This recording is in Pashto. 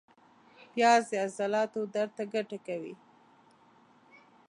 پیاز د عضلاتو درد ته ګټه کوي